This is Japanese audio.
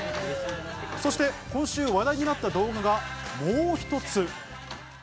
そして今週話題になった動画がもう一つ。